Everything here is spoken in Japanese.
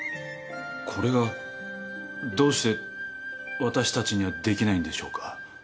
これがどうして私たちにはできないんでしょうか？